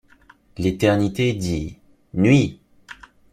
L’éternité dit: Nuit!